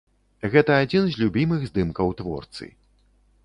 Гэта адзін з любімых здымкаў творцы.